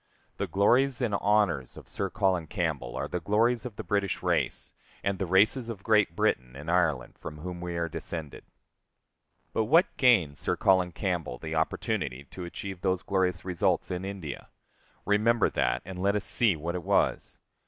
The glories and honors of Sir Colin Campbell are the glories of the British race, and the races of Great Britain and Ireland, from whom we are descended. But what gained Sir Colin Campbell the opportunity to achieve those glorious results in India? Remember that, and let us see what it was.